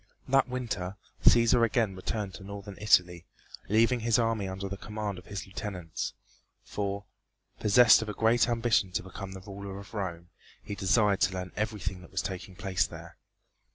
That winter Cæsar again returned to northern Italy, leaving his army under the command of his lieutenants, for, possessed of a great ambition to become the ruler of Rome, he desired to learn everything that was taking place there.